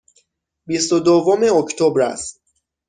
بیست و دوم اکتبر است.